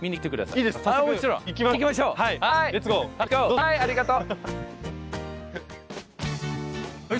はいありがとう！